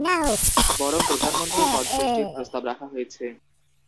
বরং প্রধানমন্ত্রীর পদ সৃষ্টির প্রস্তাব রাখা হয়েছে।